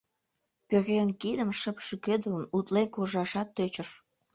Пӧръеҥ кидым шып шӱкедылын, утлен куржашат тӧчыш.